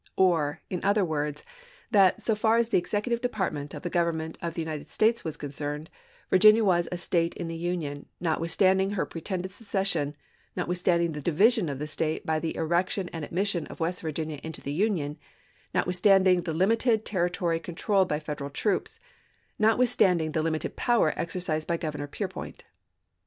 Or, in other words, that, so far as the Executive Department of the Government of the United States was concerned, Virginia was a State in the Union, notwithstanding her pretended secession, notwithstanding the division of the State by the erection and admission of West Virginia into the Union, notwithstanding the limited terri tory controlled by Federal troops, notwithstanding the limited power exercised by Governor Peirpoint.